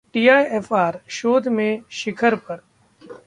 टीआइएफआरः शोध में शिखर पर